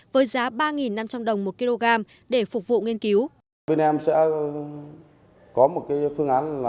với giá ba năm trăm linh đồng một kg để phục vụ nghiên cứu